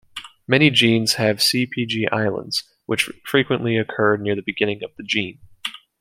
Many genes have CpG islands, which frequently occur near the beginning of the gene.